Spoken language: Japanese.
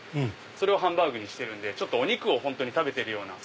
それをハンバーグにしてるんでお肉を本当に食べてるような。